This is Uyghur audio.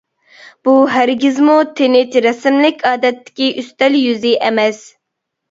بۇ ھەرگىزمۇ تىنچ رەسىملىك ئادەتتىكى ئۈستەل يۈزى ئەمەس.